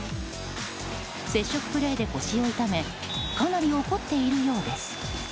接触プレーで腰を痛めかなり怒っているようです。